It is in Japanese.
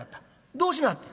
どうしなはった？」。